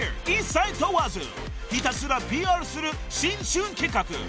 一切問わずひたすらＰＲする新春企画］